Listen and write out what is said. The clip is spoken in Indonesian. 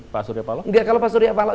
pak surya paloh enggak kalau pak surya paloh